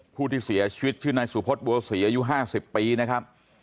ผู้ที่เสียชีวิตชื่อนายสุพศบัวศรีอายุ๕๐ปีนะครับ